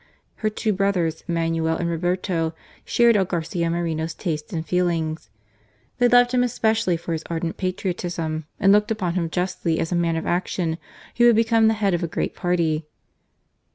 Her two brothers, Manuel and Robert, shared all Garcia Moreno's tastes and feelings. They loved him especially for his ardent patriotism, and looked upon him justly as a man of action who would become the head of a great party.